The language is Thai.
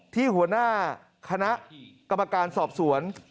ที่หัวหน้าคณะกรรมการสอบสวน